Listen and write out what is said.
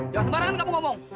jauh sembarangan kamu ngomong